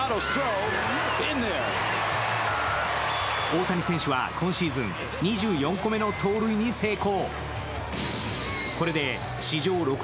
大谷選手は今シーズン２４個目の盗塁に成功。